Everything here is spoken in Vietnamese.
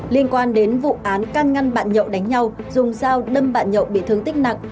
liên quan đến vụ án can ngăn bạn nhậu đánh nhau dùng dao đâm bạn nhậu bị thương tích nặng